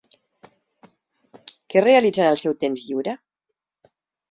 Què realitza en el seu temps lliure?